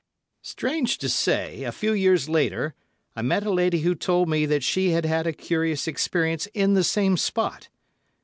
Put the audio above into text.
Strange to say, a few years later, I met a lady who told me that she had had a curious experience in the same spot.